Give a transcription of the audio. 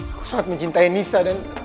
aku sangat mencintai nisa dan